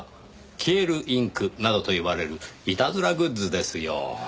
消えるインクなどと呼ばれるいたずらグッズですよ。